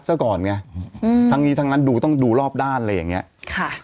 ซะก่อนไงอืมทั้งนี้ทั้งนั้นดูต้องดูรอบด้านอะไรอย่างเงี้ยค่ะ